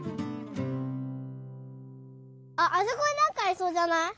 あっあそこになんかありそうじゃない？